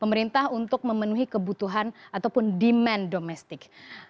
pemerintah untuk memenuhi kebutuhan ataupun demand domestik